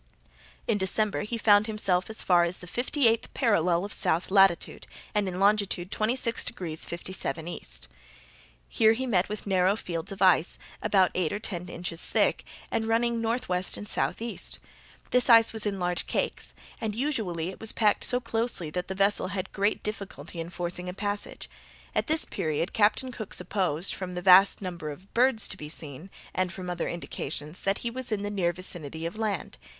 In December he found himself as far as the fifty eighth parallel of south latitude, and in longitude 26 degrees 57' E. Here he met with narrow fields of ice, about eight or ten inches thick, and running northwest and southeast. This ice was in large cakes, and usually it was packed so closely that the vessel had great difficulty in forcing a passage. At this period Captain Cook supposed, from the vast number of birds to be seen, and from other indications, that he was in the near vicinity of land.